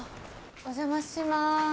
お邪魔しまーす